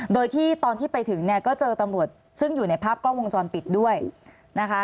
โดยที่ตอนที่ไปถึงเนี่ยก็เจอตำรวจซึ่งอยู่ในภาพกล้องวงจรปิดด้วยนะคะ